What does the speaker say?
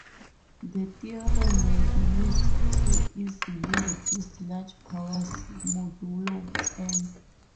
The theorem may be used to easily reduce large powers modulo "n".